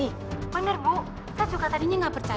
eh tapi tetep aja ketemu namanya